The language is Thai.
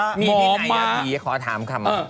มีที่ในบ้านผีขอถามคำ